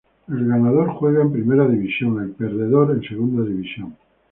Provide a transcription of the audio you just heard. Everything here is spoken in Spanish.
Ganador juega en Primera División, Perdedor en Segunda División.